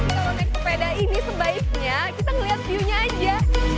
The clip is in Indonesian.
kalau naik sepeda ini sebaiknya kita ngeliat view nya aja